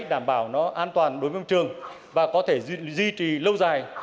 đảm bảo nó an toàn đối với môi trường và có thể duy trì lâu dài